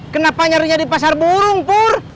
kenapa nyarinya di pasar burung pur